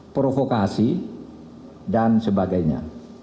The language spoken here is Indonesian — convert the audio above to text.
provokasi dan sebagainya